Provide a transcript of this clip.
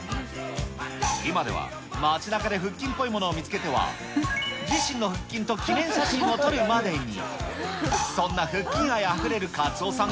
今では、街なかで腹筋っぽいものを見つけては、自身の腹筋と記念写真を撮るまでに。